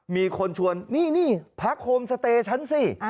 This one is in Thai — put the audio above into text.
มีคนชวนนี่นี่พักโฮมสเตย์ฉันสิ